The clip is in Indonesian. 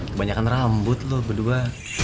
kebanyakan rambut lo berdua